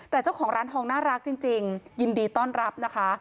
แต่เจ้าของร้านทองน่ารักจริงยินดีต้อนรับนะคะ